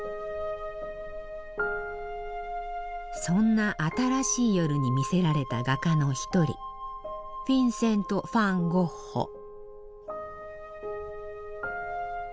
そんな新しい夜に魅せられた画家の一人フィンセント・ファン・ゴッホ。